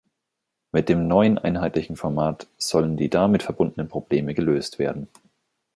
Mit dem neuen einheitlichen Format sollen die damit verbundenen Probleme gelöst werden.